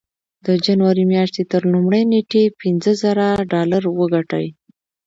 د جنوري مياشتې تر لومړۍ نېټې پينځه زره ډالر وګټئ.